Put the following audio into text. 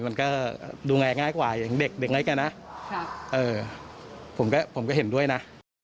มันก็ดูง่ายกว่าอย่างเด็กก็นะผมก็เห็นด้วยนะ